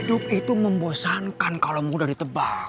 hidup itu membosankan kalau mudah ditebal